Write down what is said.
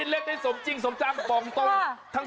ที่เรียกสมจริงสมจามมองต้ง